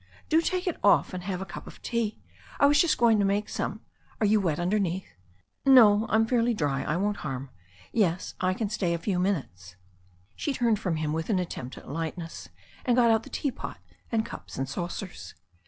"Do take it off, and have a cup of tea. I was just going to make some. Are you wet underneath ?" "No, I'm fairly dry. I won't harm. Yes, I can stay a few minutes." She turned from him with an attempt at lightness, and got out the teapot and cups and saucers.